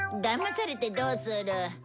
だまされてどうする。